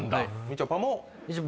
みちょぱも。